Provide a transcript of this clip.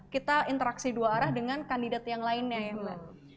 kita interaksi dua arah dengan kandidat yang lainnya ya mbak